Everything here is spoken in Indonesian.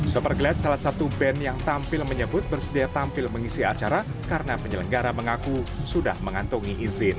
super glet salah satu band yang tampil menyebut bersedia tampil mengisi acara karena penyelenggara mengaku sudah mengantongi izin